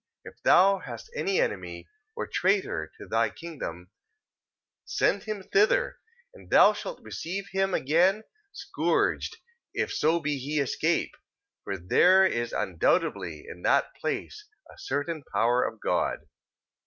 If thou hast any enemy, or traitor to thy king dom, send him thither, and thou shalt receive him again scourged, if so be he escape: for there is undoubtedly in that place a certain power of God.